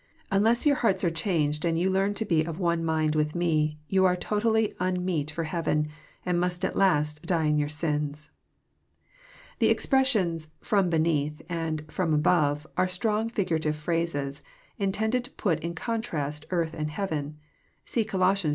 Unless yoar hearts are cbao<;ed, and you learn to be of one mind with Me, you are totally unmeet for heaveii, and most at last die in youf sins." Tbe expressions *'fVom beneath" and *^trom above" nrc strong figuratlTe phrases, intended to put in contrast earth and heaven. (See Col. iii.